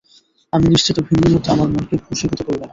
আমি নিশ্চিত ভিন্নমত আমার মনকে বসিভুত করবে না।